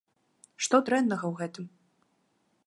Што дрэннага ў гэтым?